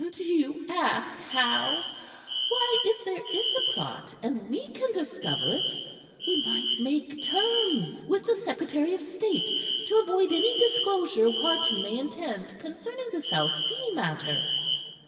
"Do you ask how? Why, if there is a plot, and we can discover it, we might make terms with the secretary of state to avoid any disclosure Wharton may intend concerning the South Sea matter."